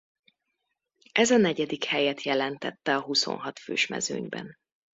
Ez a negyedik helyet jelentette a huszonhat fős mezőnyben.